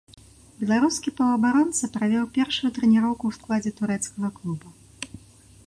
Беларускі паўабаронца правёў першую трэніроўку ў складзе турэцкага клуба.